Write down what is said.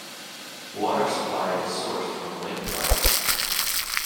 Water supply is sourced from Lake Belmore.